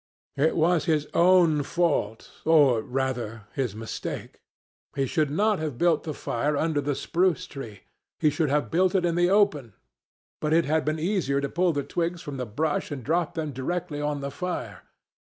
It was his own fault or, rather, his mistake. He should not have built the fire under the spruce tree. He should have built it in the open. But it had been easier to pull the twigs from the brush and drop them directly on the fire.